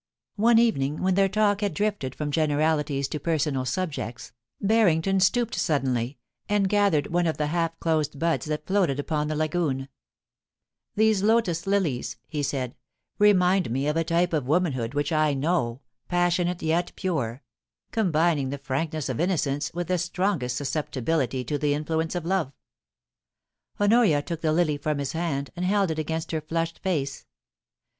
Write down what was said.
One evening, when their talk had drifted from generalities to personal subjects, Barrington stooped suddenly, and gathered one of the half closed buds that floated upon the lagooa 'These lotus lilies,' he said, 'remind me of a type of womanhood which I know — passionate, yet pure — combin ing the frankness of iimocence with the strongest susceptibility to the influence of love.' Honoria took the lily from his hand, and held it against her flushed face.